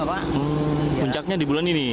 puncaknya di bulan ini